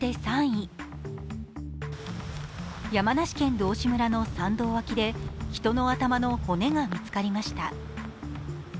山梨県道志村の山道脇で人の頭の骨が見つかりました。